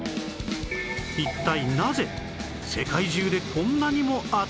一体なぜ世界中でこんなにも暑いのか？